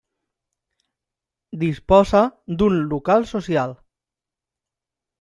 Disposa d'un local social.